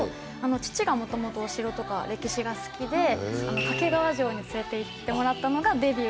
父がもともとお城とか歴史が好きで掛川城に連れていってもらったのがデビューなんですけど。